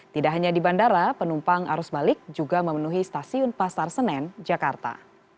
tidak hanya di bandara penumpang arus balik juga memenuhi stasiun pasar senen jakarta